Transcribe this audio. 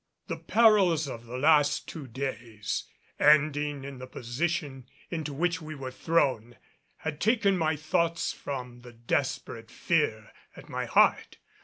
The perils of the last two days, ending in the position into which we were thrown, had taken my thoughts from the desperate fear at my heart.